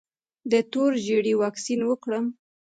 د تور ژیړي واکسین وکړم؟